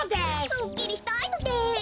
すっきりしたいのです。